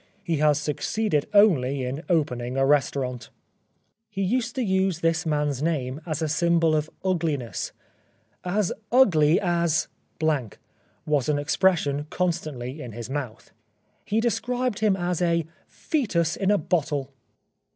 He has succeeded only in opening a restaurant." He used to use this man's name as the symbol of ugliness. As ugly as " was an expression constantly in his mouth. He described him as a "foetus in a bottle."